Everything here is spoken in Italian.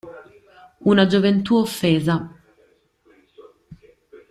Una gioventù offesa.